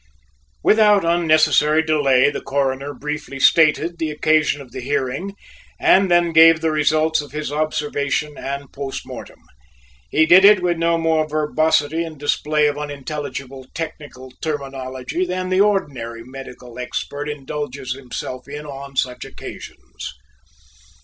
Without unnecessary delay, the Coroner briefly stated the occasion of the hearing, and then gave the results of his observation and post mortem. He did it with no more verbosity and display of unintelligible technical terminology than the ordinary medical expert indulges himself in on such occasions.